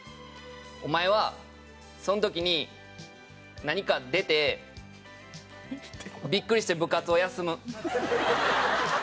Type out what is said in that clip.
お前はその時に何か出てビックリして部活を休む。